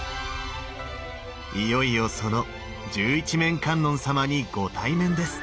いよいよその十一面観音様にご対面です。